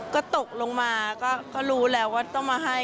ก็ตกลงมาก็รู้แล้วว่าต้องมาให้